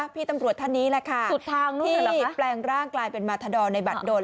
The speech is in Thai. พี่ตำรวจท่านนี้แหละค่ะที่แปลงร่างกลายเป็นมาทดรในบัตรดน